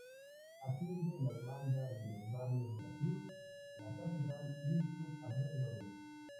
Atiende la demanda de los barrios Veracruz, La Catedral y sus alrededores.